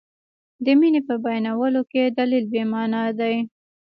د مینې په بیانولو کې دلیل بې معنا دی.